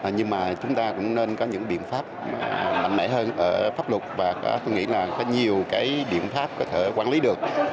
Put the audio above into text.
nhưng mà chúng ta cũng nên có những biện pháp mạnh mẽ hơn ở pháp luật và tôi nghĩ là có nhiều cái biện pháp có thể quản lý được